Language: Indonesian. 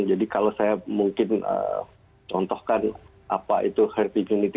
jadi kalau saya mungkin contohkan apa itu health immunity